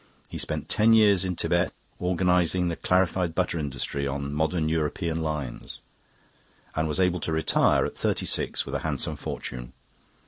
He spent ten years in Thibet organising the clarified butter industry on modern European lines, and was able to retire at thirty six with a handsome fortune.